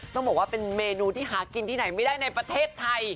ต้องบอกว่าเป็นเมนูที่หากินที่ไหนไม่ได้ในประเทศไทย